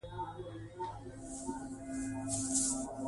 کتاب د انسان لپاره تر ټولو وفادار ملګری دی